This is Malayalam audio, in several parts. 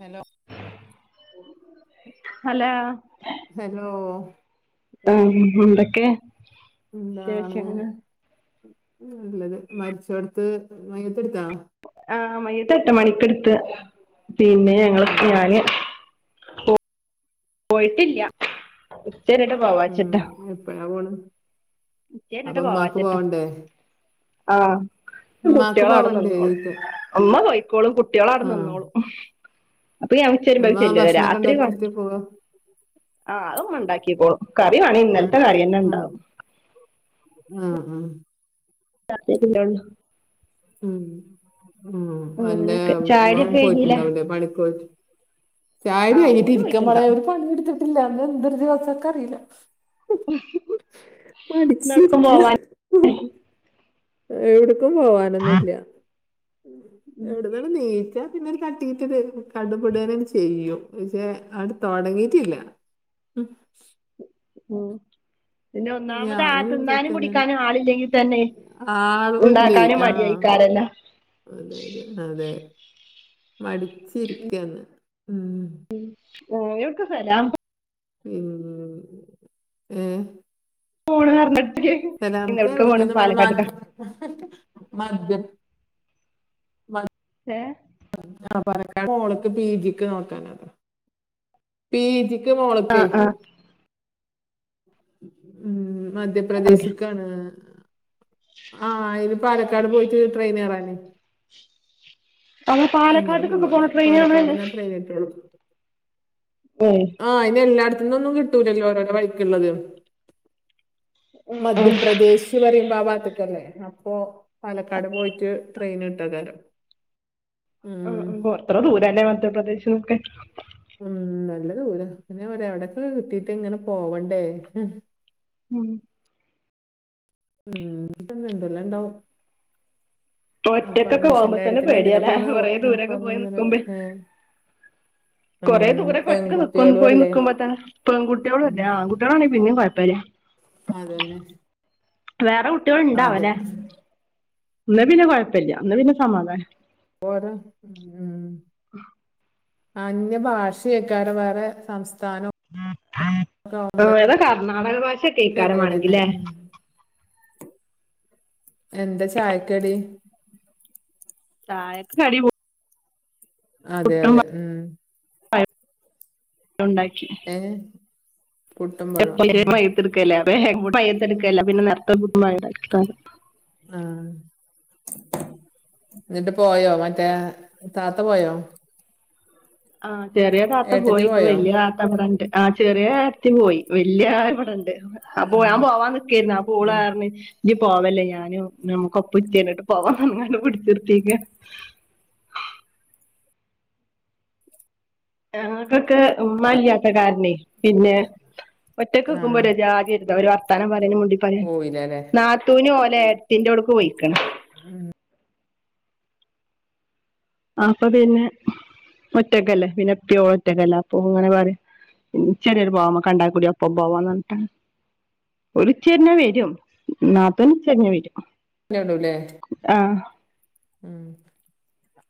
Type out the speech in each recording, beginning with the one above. ഹലോ ഹലോ ഹലോ ആഹ എന്തൊക്കെ? എന്താണ് വിശേഷങ്ങൾ നല്ലത് മരിച്ചോട്ത് മയ്യത്ത് എടുത്തോ? ആ മയ്യത്ത് എട്ട് മണിക്ക് എടുത്ത് പിന്നെ ഞങ്ങള് ഉം ഞാന്. പോയിട്ടില്ല ഉച്ചരിഞ്ഞിട്ട് ഉം പോവാച്ചിട്ടാ. എപ്പഴാ പോണ് അപ്പൊ ഉച്ഛരിഞ്ഞട്ട് ഉമ്മാക്ക് പോവാച്ച്ട്ടാ. പോവണ്ടേ ഉമ്മാക്ക് കുട്ടിള് അവിടെ പോവണ്ടേ നിന്നോളും ചോയിക്ക ഉമ്മ നോക്കിക്കോളും കുട്ടീള് അവിടെ ആ നിന്നോളും. ഉമ്മ ഭക്ഷണൊക്കെ ഉണ്ടാക്കിട്ട് [unintelligible] പോവാ ആഹ് അത് മ്മ ഉണ്ടാക്കിക്കോളും കറി വാണങ്കി ഇന്നല് അഹ് അഹ് അഹ് തത്തിട്ടും [unintelligible] ഉം അന്റെ അങ്ങനൊക്കെ ചായ മോൻ കുടിയൊക്കെ കഴിഞ്ഞില്ലേ പോയിട്ടുണ്ടാവൂലേ പണിക്ക് പോയിട്ട് ചായ കുടി ആഹ് കഴിഞ്ഞിട്ട് ഓല് ഇരിക്കാ മോളെ പോയിട്ടുണ്ടാവും ഒരു പണിയും എടുത്തിട്ടില്ല ഇന്ന് എന്തൊരു ദിവസാ എക്ക് അറിയില്ല ഉം ഇന്ന് എവിടേക്കും മടിച്ചിരിക പോവാൻ എടെക്കും പോവാനൊന്നുല്ല ഉം എവിടുന്നാണ് നീ ഞാ പിന്നെരു [unintelligible] കട്പ്ടെനണ്ട് ചെയ്യും പക്ഷെ അണ്ട് തൊടങ്ങിട്ടില്ല ഉം ഉ പിന്നെ ഒന്നാമത് ആ ഞാനും തിന്നാനും ചെക്കനും കുടിക്കാനും ആളില്ലെങ്കിൽ തന്നെ ആ അത് വിടില്ല ഉണ്ടാക്കാനും ആഹ് മടിയായിക്കാരല്ല അതെ അതെ അതെ മടിച്ചിരിക്കണ് മ്മ് ഉം ഒട്ക്കാ സലാം പോ ഉം ഉം പോന്ന് പറന്നിട്ട് സലാംക്ക അവിട്ക്കാ ന്ന പറഞ്ഞ് മാ [unintelligible] ഹെ [inaudible] ഓള്ക്ക് പി ജി ക്ക് നോക്കാനാണ് പീജിക്ക്‌ ആ മോളക്ക്‌ ആ ഉം അവിടെ. മധ്യപ്രദേശിക്കാണ് ആ ഇനി പാലക്കാട് പോയിട്ട് ട്രെയിന് കേറാന് അവിടെ അങ്ങനെ പാലക്കാട്ടേക്കൊക്കെ പോവാണ് പോണ ട്രെയിനാണല്ലേ പാലക്കാട്ന ട്രെയിന് കിട്ടുളു ഉം ആഹ് അയിന് എല്ലായിടത്തിനൊന്നും കിട്ടൂലല്ലോ ഓരോ ഓരോ വഴിക്കുള്ളത് ഉം, ഉം. മധ്യപ്രദേശ് പറയുമ്പോ ആ ഭഗത്ത്ക്കല്ലേ അപ്പോ പാലക്കാട് പോയിട്ട് ട്രെയിന് കിട്ടോക്കാരം ആ ആ എത്ര ദൂരല്ലേ മധ്യപ്രദേശ് യോക്കെ ഉം നല്ല ദൂരം പിന്നെ ഞാൻ പറ എവിടക് കിട്ടീട്ട് ഇങ്ങനെ പോവണ്ടേ ഉം ഉം കിട്ടുന്നുല്ലോ ണ്ടാവും ഒറ്റക്കൊക്കെ പോകുമ്പോ അഡ്മിഷന്റെ തന്നെ കാര്യത്തിന് പേടിയാ എന്തിനാ ലെ പോണ കൊറേ ദൂരൊക്കെ പോയി നിക്കുമ്പോ പറഞ്ഞിട്ട്. ഉം കൊറെ ദൂരെ ക്കെ ഒറ്റക് നിക്കേ പെൺകുട്ടികളും പോയി അല്ലേ നിക്കുമ്പോത്തന്നെ പെൺകുട്ടിലും അല്ലേ ആണ് ഉം കൂട്ടാളാണെങ്കിൽ പിന്നേം കുഴപ്പല്ലേ അതന്നെ വേറെ അതെ കുട്ടികളോണ്ടാവല്ലേ എന്നാ പിന്നെ കൊഴപ്പില്ല എന്നാ പിന്നെ സമാധാനം പോരാ ഉ ഉം [inaudible] അന്യ ഭാഷയേക്കാരം വേറെ സംസ്ഥാനം ഒക്കെ ആവുമ്പളേ അവിടെ കർണാടക ഭാഷക്കെക്കാരം ഗതികേടെന്നെ മാണെങ്കിലേ ഉം എന്താ ചായക്ക് ക്കടി ചായക്ക് ക്കടി കടി പു അതെ അതെ ഉം ഉണ്ടാക്കി ഏ പുട്ടും പഴോം ഉം [unintelligible] മയ്യിത്ത് എടുക്കല്ലേ [unintelligible] മയ്യിത്ത് എടുക്കല്ലേ പിന്നെ [unintelligible] ആ ന്ന്ട്ട് പോയോ മറ്റേ താത്ത പോയോ ആഹ് ചെറിയ താത്ത ഏട്ടത്തി പോയി ഇപ്പൊ പോയോ വല്യ ത്താ ത്ത ഇബടെണ്ട്‌ ആ ചെറിയത്തി പോയി വല്യള് ഇവിടെണ്ട് ആ അപ്പോ ഞാൻ പോവാൻ നിക്കാരുന്ന് അപ്പൊ ഓള് ആ പറ ഇജ്ജ് പോവല്ലേ ഞാനും നമുക്ക് ഒപ്പം ഉച്ചിരിന്നിട്ട് പോവാന്ന് പറഞ്ഞ്ക്കാണ്ട്‌ പിടിച്ചിർത്തിക്ക ആഹ് ക്ക്ക്കേ ഉമ്മല്ല്യാത്തെ കാരണേ പിന്നെ ആ ഒറ്റക്ക്ക്കുമ്പോരുജാതിരുത ഒരു വ ർത്താനം പറയാന് മുണ്ടി പറയാ പോയില്ലല്ലേ നാത്തൂന് ഓലേ ഏത്തിൻ്റോട്ക്ക് പൊയിക്കാണ് ഉം അപ്പൊ പിന്നെ ഒറ്റക്കല്ലേ പിന്നെ ഇപ്പീഓള് ഒറ്റകല്ല അപ്പൊങ്ങനെ പറിം ഉച്ചര്ഞ്ഞാ പോവാഅമ്മക്ക് അണ്ടാകൂടി ഒപ്പം പോവാന്നറഞ്ഞിട്ടാണ് ഓലുച്ചരിഞ്ഞാ വരും നാത്തൂനുച്ചരിഞ്ഞാ വരും ഞ്ഞൊള്ളൂല്ലേ ആഹ് ഉം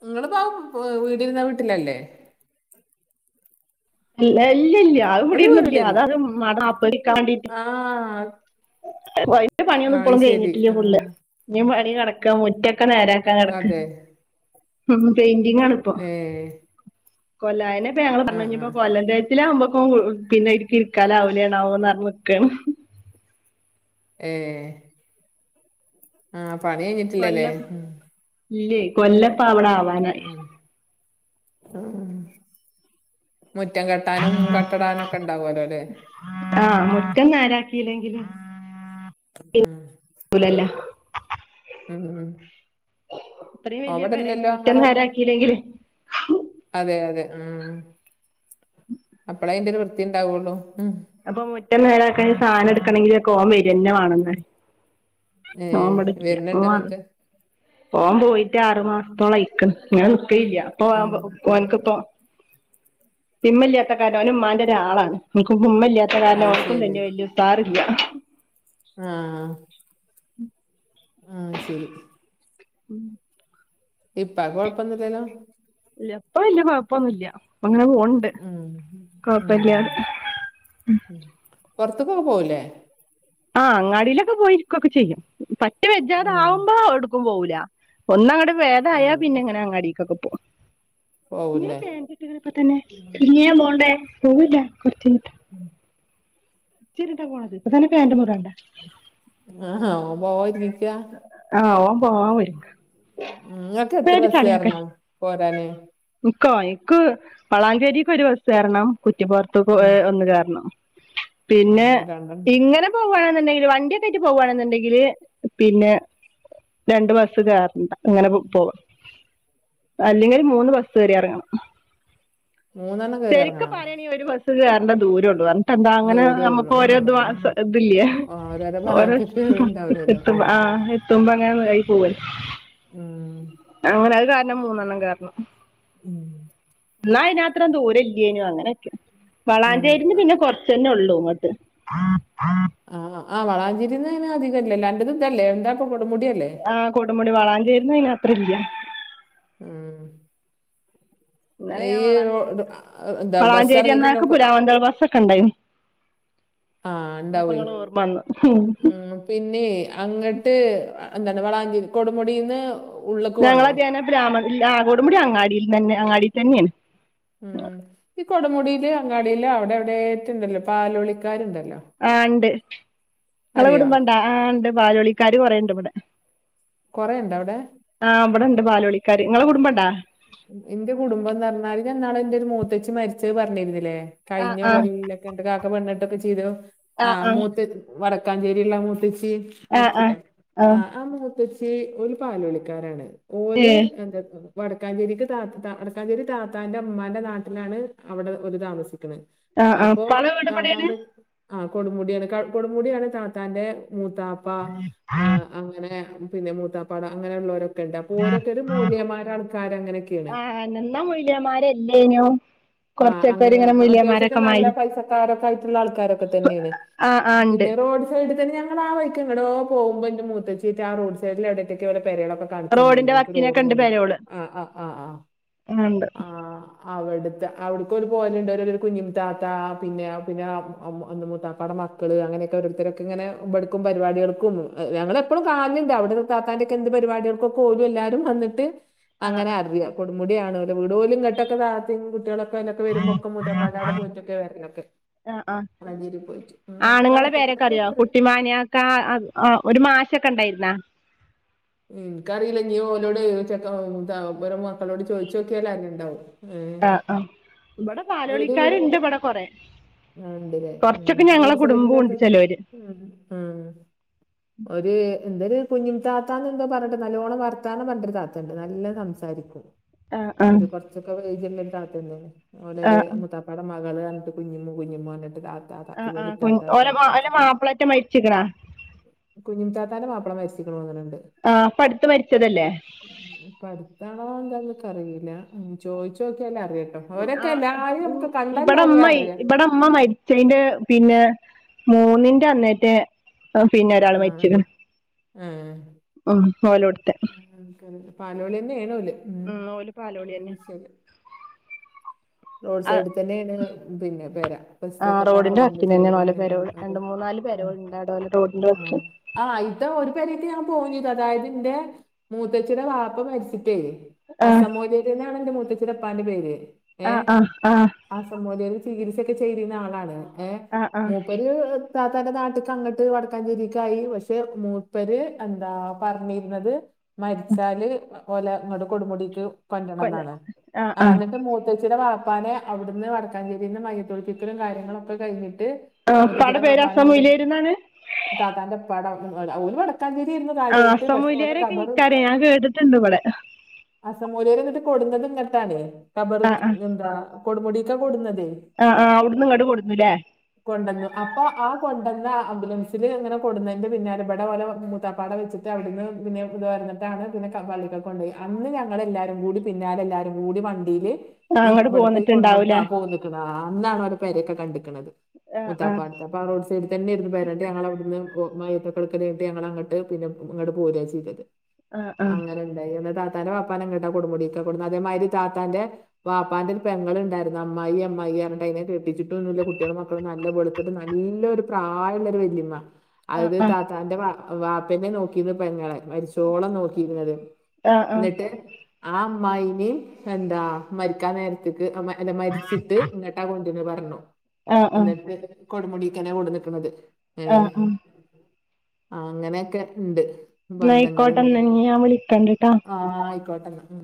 ഇങ്ങള്പ്പാ വീ വീടിര്ന്ന വീട്ടിലല്ലേ അല്ല ഇല്ലല്ല്യ അത് ഒരു കുടിരിന്നിട്ടില്ല്യാ അത അത് ഇമ്മാടെ നാപ്പ് വിക്കാ വാണ്ടീറ്റ് ആഹ് വ അയിൻ്റെ പണിയൊന്നും ഇപ്പളും ശരി കെഴിഞ്ഞിട്ടില്ല ആ ഫുള്ള് ഞ്ഞി പണി കടക്കാ മുറ്റൊക്കെ നേരാ ക്കാ കടക്കാണ് അതെ ഉം പെയിന്റിങ്ങാണ്പ്പൊ ഏ കൊല്ലായന്നെപ്പോ ഞങ്ങള് ആ പറഞ്ഞ് ഇഞ്ഞിപ്പൊ ആ കൊല്ലന്റെ തിലാകുമ്പക്കൂ പിന്നെ ഇതിക്ക് ഇരിക്കാലാവൂലേന്നാവോന്നറഞ്ഞ് നിക്കാണ് ഏഹ് ആഹ് പണി കഴിഞ്ഞിട്ടില്ലല്ലേ കൊല്ലം ഉം ഇല്ലേ. കൊല്ലപ്പവടെ ആവാനായി ഉം ഉം മുറ്റം കെട്ടാനും കട്ടടാനും ഒക്കെണ്ടാവോലോല്ലേ ആ മുറ്റം നേരാക്കിലെങ്കിലും ഉം ഊ ലല്ല ഉം ഉം ഇത്രീം വല്ല്യ പെരായിറ്റ് അവിടെല്ലല്ലോ മുറ്റം ഇങ്ങളെ നേരാക്കിലെങ്കില് അതെ അതെ ഉം അപ്പളയിന്റെരു വൃത്തിണ്ടാവുള്ളൂ ഉം അപ്പൊ മുറ്റം നേരാക്കാൻ സാനടുക്കണെങ്കിലൊക്കെ ഓം വരന്ന വാണെന്ന് ഓം ഏഹ് ഇവടല്യ വരുന്നുണ്ട് ഓം വ എന്നിട്ട് ഓം പോയിട്ട് ആറു മാസത്തോളയിക്ക്ണ് ഇങ്ങനെ നിക്കലില്ല ഇപ്പോ ഉം വാമ്പൊ ഓൻക്ക്പ്പോ ഇമ്മല്ല്യാത്ത കാര ഓന് ഇമ്മാൻ്റെ ഒരാളാണ് ഇൻകും ഉമ്മല്ല്യാത്ത കാരണം അത് ഒൻകും ശരി തന്നെ വല്ല്യ ഉസാറില്ല ആഹ് ആഹ് ശരി ഉം ഇപ്പാക് ക്കൊഴപ്പൊന്നുല്ലല്ലോ ഇല്ല ഇപ്പ വല്ല്യ കൊഴപ്പൊന്നുല്ല ഇപ്പങ്ങനെ പോന്ന്ണ്ട് ഉം കൊഴപ്പില്ല്യാ ഉം പൊറത്ത്ക്കൊക്കെ പോവൂലേ ആഹ് അങ്ങാടിലൊക്കെ പോയിരിക്കൊക്കെ ചെയ്യും പറ്റ വെജ്ജാതെ ഉം ആവുമ്പോ എടുക്കും പോവൂല ഒന്നങ്ങട്ട് പേതായാ ആഹ് പിന്നെങ്ങനെ അങ്ങാടീക്കൊക്കെ പോവും എന്തിനാ പോവൂലേ പാൻ്റ് ഇട്ട്‌ക്‌ണേ ഇപ്പ തന്നെ [unintelligible] ഉച്ചരിഞ്ഞിട്ടാ പോണത് ഇപ്പ തന്നെ പാൻ്റൊന്നും ഇടണ്ട ആഹാ ഓം പോവാ ഒരുങ്ങിക്കാ ആഹ് ഓം പോവാ ഒര്ങ്ങ ഉം ഇങ്ങക്ക് എത്ര ബസ്സ് കേറണം പോരാന് ഇക്കോ ഇക്ക് വളാഞ്ചേരിക്ക് ഒരു ബസ് കേറണം കുറ്റിപൊറത്ത്ക്ക് ഉം ഏ ഒന്ന് കേറണം ആ പിന്നെ രണ്ടെണ്ണം ഇങ്ങനെ പോവാണെന്നുണ്ടെങ്കില് വണ്ടിയൊക്കെ ആയിറ്റ് പോവാണെന്നുണ്ടെങ്കില് പിന്നെ രണ്ട് ബസ്സ് കേറണ്ട ങ്ങനെ പോ പോവാ അല്ലെങ്കില് മൂന്ന് ബസ്സ് കയറി അറങ്ങണം മൂന്നെണ്ണം കേറി ശരിക്ക് ഇറങ്ങണോ പറയണീ ഒരു ബസ് കേറണ്ട ദൂര ഓരോള്ളു പറ എന്താ അങ്ങനെ ദൂരേ ഉള്ളു നമുക്ക് ഒരു ഇത് വാ ഉം ഇതില്ലേ ആ ഓരോരോ ഓരോ ഭാഗത്തേക്ക് ഇണ്ടാവൂലല്ലോ ഉം ആഹ് ത്തുമ്പങ്ങനെ വേ പോവല്ലേ ഉം അങ്ങനെ അത് കാരണം മൂന്നെണ്ണം കയറണം. ഉം ന്നാ അയിന് അത്ര ദൂരം ഇല്ലേനു, അങ്ങനെയൊക്കെയ ഉം വളാഞ്ചേരിന്ന് പിന്നെ കൊറച്ച്. ച്ചെന്നെ ഒള്ളൂ ഇങ്ങട്ട്. ആഹ് വളാഞ്ചിരിന്ന് അതിന് അധികംല്ലല്ലോ അണ്ടിനുംത്ഇതല്ലേ എന്താപ്പൊ കൊടു മുടിയല്ലേ.? ആഹ് കൊടു മുടി വളാഞ്ചേരി ന്ന് പിന്നെ അത്ര ഇല്ല്യാ. ഉം ഇന്നലെ ഈ ഞാൻ അവിടെ റോഡ് എന്താ ബസ് വളാഞ്ചേരിന്. [unintelligible] ഇറങ്ങിയിട്ട് ഇണ്ടാക്കു- എനിക്ക് ഉണ്ടായിരുന്ന ആ അപ്പ ഉണ്ടാവേ അങ്ങനെ ഓർമ്മ വന്നു. ഉം പിന്നെ അങ്ങട്ട് എന്നേരം വേണം അങ്ങ് കൊടുമുടിന്ന്. ഉള്ളിക്ക് [unintelligible] പോണോ അങ്ങാടിയിൽ തന്നെ അങ്ങാടിയിൽ തന്നെയാണ്. ഉം ഈ കൊടമുടിയില് അങ്ങാടിയില് അവിടെ അവിടെ റ്റുണ്ടല്ലോ പാലോളിക്കാരുണ്ടല്ലോ.? ആഹ് ഇണ്ട് ഇങ്ങളെ അറിയോ കുടുംബയുണ്ടോ, ആഹ് ഇണ്ട് പാലോളിക്കാര് കൊറേണ്ട് ഇവിടെ. കൊറെ ഒണ്ടോ അവിടെ? ആഹ് ഇവിടെണ്ട് പാലോളിക്കാര് ങ്ങളെ കുടുംബം ഇണ്ടാ? എന്റെ കുടുംബം എന്ന് പറഞ്ഞാല് ഞാൻ ഇന്നാള് എന്റെയൊരു മൂത്തേച്ചി മരിച്ചത് പറഞ്ഞിരുന്നില്ലേ. ആ കഴിഞ്ഞ ആ കൊല്ലം ഇന്റെ കാക്ക പെണ്ണ് കെട്ടുക ഒക്കെ ചെയ്തു ആ ആഹ് ആ മുത്തേ വടക്കാഞ്ചേരിയിലുള്ള മൂത്തച്ചി ആ മരിച്ചില്ലേ ആ ആ ആഹ് ആഹ് മൂ ത്തച്ചി ഓല് പാലോളിക്കാരാണ് ഏ ഓല് എന്താന്ന്. വടക്കാഞ്ചേരിക്ക് ത താ വടക്കാഞ്ചേരി താത്താന്റെ ഇമ്മാന്റെ നാട്ടിലാണ്, അവിടെ ഓര് താമസിക്കേണ്. ആഹ് ആഹ് ഉപ്പാടെ വീട് തന്നെ. ആഹ് കൊടുമുടിയാണ് ക്കെ കൊടുമുടിയാണ് താത്താന്റെ മൂത്താ ഇപ്പ ആഹ് അങ്ങനെ പിന്നെ മൂത്താപ്പാെടെ അങ്ങനെ ഉള്ളേര്. ണ്ട് അപ്പൊ ഓരെതര് മോല്യമാരെ ആൾക്കാരർ അങ്ങനൊക്കെയാണ്. ആ യിന്നല്ലമൊയ്ല്യാൻ മാരെലീനും. ആഹ് അങ്ങനെ അത്യാവശ്യംനല്ല മാതിരി പൈസക്കാരൊക്കെ ആയിട്ടുള്ള ആൾക്കാരൊക്കെ തന്നെയാണ്. ആ ആ ഉണ്ട് പിന്നെ റോഡ് സൈഡി തന്നേ.? അതാ ആ വൈക്ക് എങ്ങടോ പോക്പോ ഇന്റെ മുത്തച്ചീ് ആ റോഡ്‌ സൈഡിൽ എവിടൊക്ക പെരളൊക്കെ. കാണിച്ച് റോഡിന്റെ തന്നീരുന്നു എനിക്കൊരു വക്കിനൊക്കെ ഉണ്ട് ഓർമയിണ്ട് പേരോള് ആ ആആആ ആ, ഉണ്ട് ആഹാ അവിടുത്ത്. അവിട്ക്ക് ഓല് പോവല്ണ്ട് ഒരു കുഞ്ഞിമ് താത്ത പിന്നെ പിന്നെ അന്ന് മൂതാ പേടേ മ മക്കള് അങ്ങനെയൊക്കെ ഓരോരുത്തർക്ക് ഇങ്ങനെ ഇവിടുക്കും പരിപാടികൾക്കും ഞങ്ങള് എപ്പോഴും കാണുന്നുണ്ട് അവിടുന്ന്. താത്താന്റെ ഒക്കെ എന്ത് പരിപടിക കൊക്കെ ഓലും എല്ലാരുംവന്നിട്ട്. ആ അങ്ങനെ ആ, അറിയ കൊടുമുടിയാണോ ലെ വീട് ഓല് ഇങ്ങട്ടൊക്കെ താ കുട്ടിയാളൊക്കെ പ്പവരക്കെ വരുമ്പോക്കെ മുതാപ്പാന്റെ അവിടെ പോയിട്ടൊക്കെ വര ലൊക്കെ. ആ ആ വളഞ്ചേരിപോയിട്ട് ഉം അടുത്തൊക്കേപൊയിട്ട് വരും കാ ആ ഒ ഒരു മാസക്കെണ്ടായിരുന്ന. ഇൻക്കറില്ല നീ ഓലോട് ചെയിച്ചക്കെ വരെ മക്കളോട് ചോദിച്ചു നോക്കിയാല അറിയിണ്ടാവും. ആഹ് ആ ഇവിടെ പാലോളിക്കാര് ഇണ്ട് ഇവിടെ കൊറേ. ആഹ് ഇണ്ട്ല്ലേ ഉം റോഡ് ഉണ്ട് സൈഡിലകാ ചിലവര് അഹ് ഒരു എന്തൊരു കുഞ്ഞിമ് താത്താന്ന് എന്തോ പറഞ്ഞിട്ട് നല്ലോണം വർത്താനം പറഞ്ഞിട്ടൊരു താത്തണ്ട് നല്ലോണം സംസാരി. [unintelligible] ഒരു [unintelligible] ഏയ്ജ്ള്ള ഒരു താത്ത തന്നെ ആ ഓലൊരു മുത്താപ്പാടെ മകള് പറഞ്ഞിട്ട് കുഞ്ഞിമ്മു. [unintelligible] ആഹാ ആഹ് കു ഓ ലെമാപ്പിളേറ്റ മരിച്ചിക്ക്ണാ. കുഞ്ഞിമ് തിത്താ ന്റെ മാപ്പളെ മരിച്ചിക്ക്ണ് തോന്ന്ണ്ട്. ആഹ് ഇപ്പടുത്ത് മരിച്ചതല്ലേ? പ്പൊ അടുത്താണോ എന്താന്നിക്ക റില്ല ചോദിച്ചോക്കിയാലേറിയ ആഹ് ഇ അറിയാം അറിയാം ഇബ്ടെമ്മയെഇവിടെ. ഇമ്മ മരിച്ചന്റെ പിന്നെ മൂന്നിന്റെ അന്നേറ്റെ. ആഹ് പിന്നെ ഒരാള് ആ മരിച്ച് ആ ണ്അഹ് ഓലോ ടു ത്തേ. ആ പാലോളിന്നെ ഏണ് ഓല് ഉം ഓല് പാലോളി ഉം എന്നെ ശരി റോഡ് സൈഡിൽ തന്നെയാണ് പിന്നെ പെര ആ ബസ്സൊക്കെ പോണ റോഡിന്റെ വക്കിന് സൈഡിൽ തന്നെയാണ് ഓല തന്നെയ പെരോള് രണ്ട് മൂന്നാല് പെരണ്ട് അടോലെ റോഡിന്റെ ഉം. വക്കിൽ ആ ഇതാ ഒരു പേരിക്ക് ഞാൻ പോവും ചെയ്ത് അതായത് ഇന്റെ മൂത്തചിന്റെ വാപ്പ മരിച്ചിട്ടേ ആ ഹസ്സൻ മൂല്യർ തന്നെയാണ് എന്റെ മുത്തചിന്റെ ഇപ്പാന്റെ പേര് ആ ആ ആ ഹസ്സൻ മൂല്യാർ ചികിത്സയൊക്കെ ചെയ്തിര്ന്ന ആളാണ് ഏ ആ ആ മൂപ്പര് താത്താന്റെ നാട്ട്ക്ക് അങ്ങട്ട് വടക്കാഞ്ചേരിക്ക് ആയി പക്ഷെ മൂപ്പര് എന്താ പറഞ്ഞിരുന്നത് മരിച്ചാല് ഓലെ ഇങ്ങട്ട് കൊടുമുടിക്ക് കൊണ്ടരണം കൊഞ്ഞ ന്നാണ് ആ ന്നട്ട് മൂ ഇപ്പചിടെ വാപ്പാനെ അവിടുന്ന് വടക്കാഞ്ചേരീന്ന് മയ്യത്തുൾപ്പിക്കലും കാര്യങ്ങളും ഒക്കെ കഴിഞ്ഞിട്ട് ആ ഉപ്പാടെ മൂത്തച്ചിയുടെ പേര് വാപ്പാനെ ഹസ്സൻ ഇങ്ങോട്ട് മൂല്യാര്ന്നാണ് താത്താന്റെ ഇപ്പാടെ ഒരു വടക്കാഞ്ചേരിയാരുന്നു കാര്യായിട്ട് പക്ഷേ ഇൻക്കറിയാ ഞാൻ കേട്ട്ട്ടുണ്ട് ഇബടെ ഹസ്സൻ മൂല്യരെ ന്നിട്ട് കൊടുന്നത് ഇങ്ങിട്ടാണ് ആ കബർക് ആ എന്താ കൊടുമുടിക്കാ കൊടുന്നതേ ആഹ് ആഹ് അവിടന്ന് ഇങ്ങട്ട് കൊടുന്നുല്ലേ കൊണ്ടന്നു അപ്പൊ ആ കൊണ്ടന്ന ആംബുലൻസിൽ അങ്ങനെ കൊടുന്നതിന്റെ പിന്നാലെ ബടെ ഓലെ മൂത്താപ്പാട വെച്ച ഇത അവിടുന്ന് പിന്നെ ഇത് ദുആരുന്നട്ടാണ് പിന്നെ പള്ളികൾക്കക്ക് കൊണ്ടയി അന്ന് ഞങ്ങൾ എല്ലാരും കൂടി പിന്നാല എല്ലാരും കൂടി വണ്ടിയില് ആ ഇങ്ങട് പോന്നിട്ടുണ്ടാവൂലേ താ അന്നാണ് ഓലെ പെരൊക്കെ കണ്ടിക്ക്ണത് ആ ആ മുത്താപ്പാട്ത്തെ അപ്പം റോഡ് സൈഡ് തന്നെരുന്നു പെര ന്നട്ട് ഞങ്ങള അവിട്ന്ന് ഓ മയത്തോക്കെ ഇട്ക്കൽ കഴിഞ്ഞിട്ട് ഞങ്ങൾ അങ്ങോട്ട് പിന്നെ ഇങ്ങോട്ട് പോരാ ചെയ്തത് ആ ആ ആ അങ്ങനെ താതാന്റെ വാപ്പാനെങ്ങട്ടാ കൊടുമുടിക്കാ കൊടുന്നു അതേമാതിരി താത്താന്റെ വാപ്പാന്റെ ഒരു പെങ്ങൾണ്ടായിരുന്നു അമ്മായി അമ്മായി പറഞ്ഞിട്ട് അതിനെ കെട്ടിച്ചിട്ടൊന്നുല്ല കുട്ടികളും മക്ക നല്ല വെളുത്തിട്ട് നല്ലരു പ്രായള്ളോരു വല്ലിമ്മ അതായത് ആ താത്തന്റെ വാപ്പന്നെ നോക്കിന്ന് പെങ്ങളെ മരിച്ചോളം നോക്കി ന്നത് ആ ആ ഇന്നട്ട് ആ അമ്മായിനിം എന്താ മരിക്കാൻ നേരത്ത്ക്ക് അല്ല മരിച്ചിട്ട് ഇങ്ങട്ടാ കൊ പറഞ്ഞു ആ ആ എന്നിട്ട് കൊടുമുടിക്കന്നെ കൊടുന്നിക്ക്ണത് ആ ആ ഏഹ് ആഹ് അങ്ങനെയൊക്കെ ഉണ്ട് ഇന്നാ അയ്ക്കോട്ടെന്നാ ഞ്ഞി ഞാൻ വിളിക്കണ്ട് ട്ടോ ആഹ് അയിക്കോട്ടെന്നാ ഉം